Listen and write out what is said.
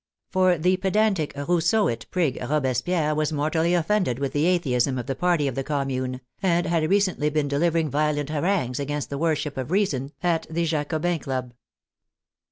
For the pedantic Rousseauite prig Robespierre was mortally offended with the atheism of the party of the Commune, and had recently been deliv ering violent harangues against the worship of Reason, at the Jacobins' Club.